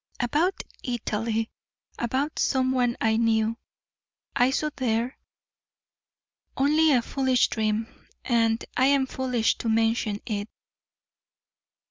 "About Italy about some one I knew, I saw there. Only a foolish dream, and I am foolish to mention it."